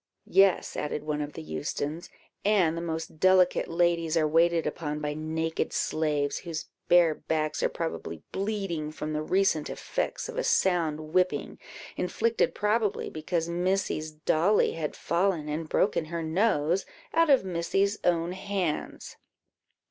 "Yes," added one of the Eustons, "and the most delicate ladies are waited upon by naked slaves, whose bare backs are probably bleeding from the recent effects of a sound whipping, inflicted, probably, because Missy's dolly had fallen, and broken her nose, out of Missy's own hands."